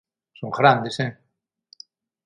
Son ghrandes, eh?